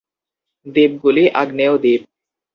দ্বীপগুলি আগ্নেয় দ্বীপ।